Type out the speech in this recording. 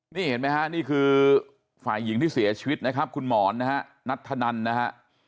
นี่เห็นไหมฮะนี่คือฝ่ายหญิงที่เสียชีวิตนะครับคุณหมอนนะฮะนัทธนันนะฮะ